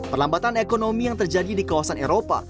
perlambatan ekonomi yang terjadi di kawasan eropa